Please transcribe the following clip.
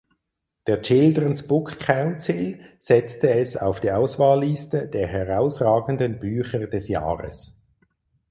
Der Children’s Book Council setzte es auf die Auswahlliste der herausragenden Bücher des Jahres.